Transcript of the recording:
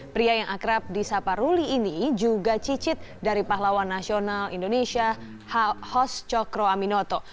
pria yang akrab di sapa ruli ini juga cicit dari pahlawan nasional indonesia hos cokro aminoto